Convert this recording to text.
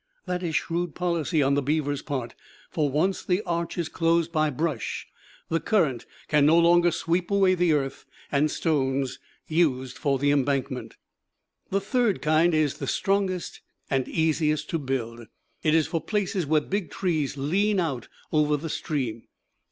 That is shrewd policy on the beaver's part; for once the arch is closed by brush, the current can no longer sweep away the earth and stones used for the embankment. The third kind is the strongest and easiest to build. It is for places where big trees lean out over the stream.